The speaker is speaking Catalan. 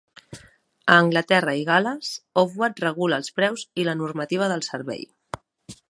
A Anglaterra i Gal·les, Ofwat regula els preus i la normativa del servei.